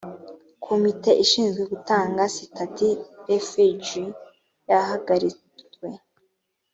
komite ishinzwe gutanga sitati refuge yahagaritwe